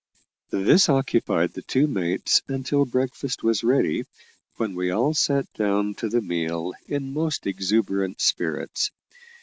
This occupied the two mates until breakfast was ready, when we all sat down to the meal in most exuberant spirits.